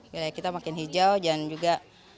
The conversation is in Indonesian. wilayah kita makin hijau dan juga